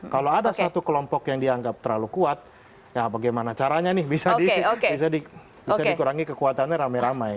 kalau ada satu kelompok yang dianggap terlalu kuat ya bagaimana caranya nih bisa dikurangi kekuatannya ramai ramai